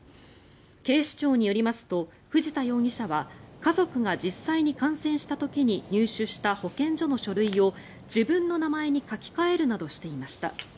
警視庁によりますと藤田容疑者は家族が実際に感染した時に入手した保健所の書類を自分の名前に書き換えるなどしていました。